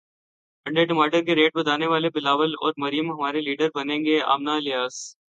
انڈے ٹماٹر کے ریٹ بتانے والے بلاول اور مریم ہمارے لیڈر بنیں گے امنہ الیاس